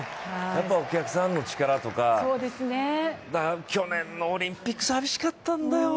やっぱお客さんの力とか去年のオリンピック、寂しかったんだよ。